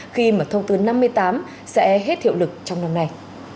khi mà thông tư năm mươi tám sẽ hết hiệu lực trong năm nay